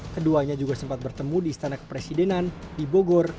keduanya juga sempat bertemu di istana kepresidenan di bogor